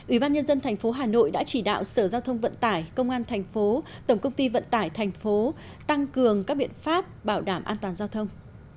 ủy ban nhân dân thành phố hà nội đã chỉ đạo sở giao thông vận tải công an thành phố tổng công ty vận tải thành phố tăng cường các biện pháp bảo đảm an toàn giao thông